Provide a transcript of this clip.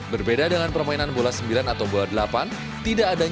berbeda dengan permainan bola sembilan atau bola delapan